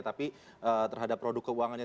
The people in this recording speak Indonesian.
tapi terhadap produk keuangannya